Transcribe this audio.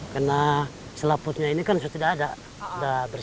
karena selaputnya ini kan sudah tidak ada